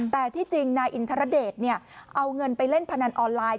แต่ที่จริงนายอินทรเดชเอาเงินไปเล่นพนันออนไลน์